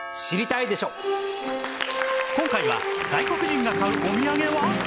今回は外国人が買うお土産は？